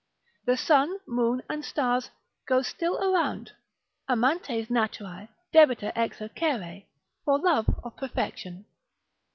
The sun, moon, and stars go still around, Amantes naturae, debita exercere, for love of perfection.